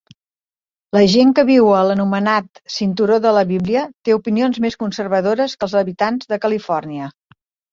La gent que viu a l'anomenat Cinturó de la Bíblia té opinions més conservadores que els habitants de Califòrnia.